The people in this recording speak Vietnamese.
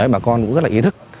bà con cũng rất là ý thức